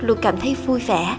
luôn cảm thấy vui vẻ